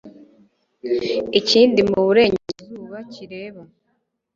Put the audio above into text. ikindi mu burengerazuba kireba